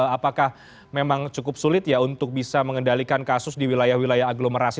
apakah memang cukup sulit ya untuk bisa mengendalikan kasus di wilayah wilayah aglomerasi